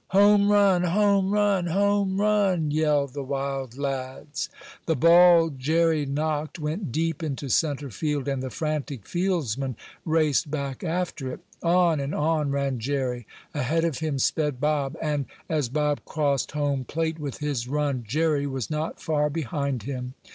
"Home run! Home run! Home run!" yelled the wild lads. The ball Jerry knocked went deep into centre field, and the frantic fieldsman raced back after it. On and on ran Jerry. Ahead of him sped Bob. And as Bob crossed home plate with his run, Jerry was not far behind him.